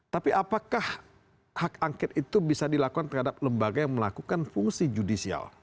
tapi apakah hak angket itu bisa dilakukan terhadap lembaga yang melakukan fungsi judicial